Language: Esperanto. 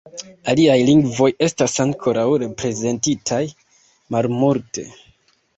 Aliaj lingvoj estas ankoraŭ reprezentitaj malmulte.